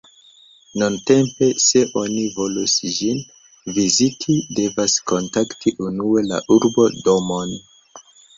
Nuntempe, se oni volus ĝin viziti, devas kontakti unue la urbo-domon.